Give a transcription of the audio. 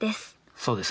そうですね。